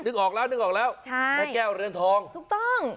นึกออกแล้วนึกออกแล้วแม่แก้วเรือนทอง